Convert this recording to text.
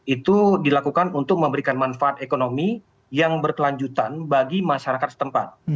itu dilakukan untuk memberikan manfaat ekonomi yang berkelanjutan bagi masyarakat setempat